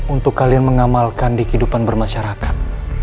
untuk kalian mengamalkan di kehidupan bermasyarakat